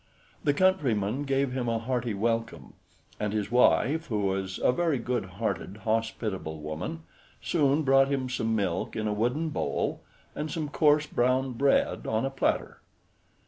The countryman gave him a hearty welcome, and his wife, who was a very good hearted, hospitable woman, soon brought him some milk in a wooden bowl, and some coarse brown bread on a platter.